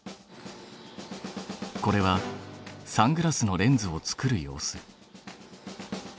これはサングラスのレンズを作る様子。